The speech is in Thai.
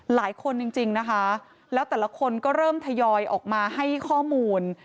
จริงนะคะแล้วแต่ละคนก็เริ่มทยอยออกมาให้ข้อมูล